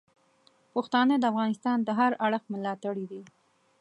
پښتانه د افغانستان د هر اړخ ملاتړي دي.